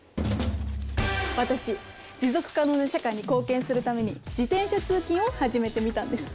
私持続可能な社会に貢献するために自転車通勤を始めてみたんです。